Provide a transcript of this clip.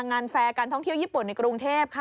แฟร์การท่องเที่ยวญี่ปุ่นในกรุงเทพค่ะ